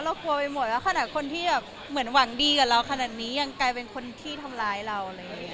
เรากลัวไปหมดว่าคนที่เหมือนหวังดีกับเราขนาดนี้ยังกลายเป็นคนที่ทำร้ายเรา